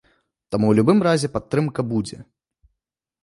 Таму ў любым разе падтрымка будзе.